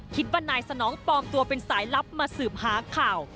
คิดว่านายสนองปลอมตัวเป็นสายลับมาสืบหาข่าว